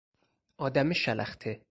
آدم شلخته